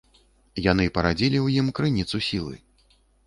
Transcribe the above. Яны парадзілі ў ім крыніцу сілы.